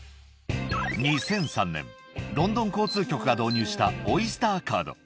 ２００３年、ロンドン交通局が導入したオイスターカード。